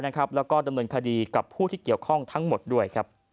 แล้วก็ดำเนินคดีกับผู้ที่เกี่ยวข้องทั้งหมดด้วย